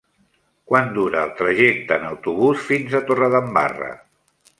Quant dura el trajecte en autobús fins a Torredembarra?